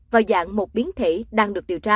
vào dạng một biến thể đang được điều tra